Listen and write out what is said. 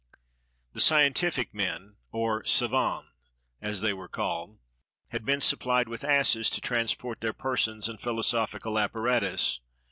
The scientific men, or savans, as they were called, had been supplied with asses to trans port their persons and philosophical apparatus.